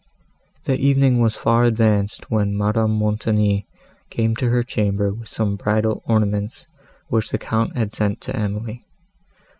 The evening was far advanced, when Madame Montoni came to her chamber with some bridal ornaments, which the Count had sent to Emily.